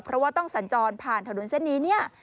เพราะว่าต้องสัญจรณ์ผ่านถนนเส้นนี้